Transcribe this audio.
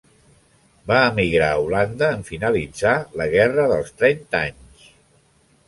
Va emigrar a Holanda en finalitzar la Guerra dels Trenta Anys.